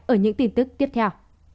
ở những tin tức tiếp theo